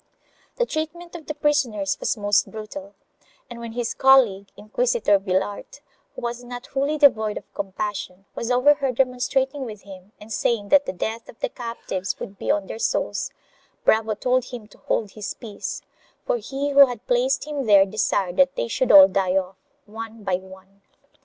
The treatment of the prisoners was most brutal, and when his colleague, Inquisitor Villart, who was not wholly devoid of compassion, was overheard remonstrating with him and saying that the death of the captives would be on their souls, Bravo told him to hold his peace, for he who had placed him there desired that they should all die off, one by one.